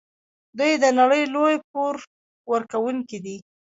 دوی د نړۍ لوی پور ورکوونکي دي.